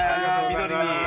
緑に！